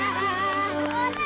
kapalnya jadi lagi